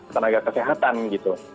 tenaga kesehatan gitu